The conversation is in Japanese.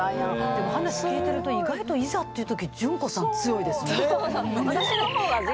でも話聞いてると意外といざっていう時ダメなんです。